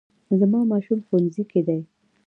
زما ماشوم ښوونځي کې دی